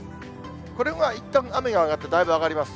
これはいったん雨が上がってだいぶ上がります。